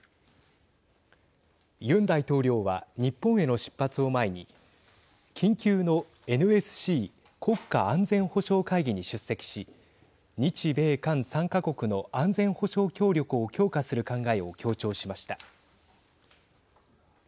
ユン大統領は日本への出発を前に緊急のＮＳＣ＝国家安全保障会議に出席し日米韓３か国の安全保障協力を強化する考えを強調しました。